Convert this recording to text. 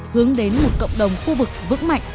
hướng đến một cộng đồng khu vực vững mạnh